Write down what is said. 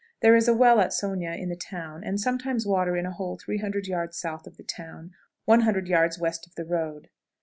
There is a well at Sonia in the town, and sometimes water in a hole 300 yards south of the town, 100 yards west of the road.